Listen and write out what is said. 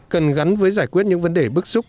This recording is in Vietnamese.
cần gắn với giải quyết những vấn đề bức xúc